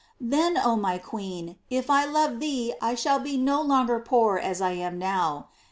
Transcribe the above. Then, oh my queen, if I love thee I shall be no longer poor as I am now.